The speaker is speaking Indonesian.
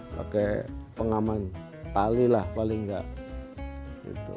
pakai pengaman kali lah paling tidak